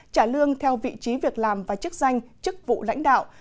trả lương theo vị trí việc làm và chức danh chức vụ lãnh đạo